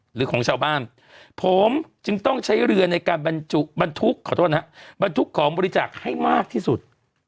หรือของชาวบ้านผมจึงต้องใช้เรือในการบรรทุกขอบริจาคให้มากที่สุด